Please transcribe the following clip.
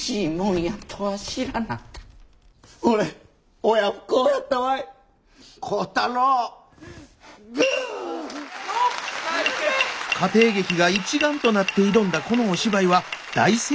家庭劇が一丸となって挑んだこのお芝居は大盛況となりました。